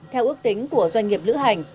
theo ước tính của doanh nghiệp lữ hành